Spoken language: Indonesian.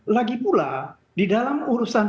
lagi pula di dalam urusan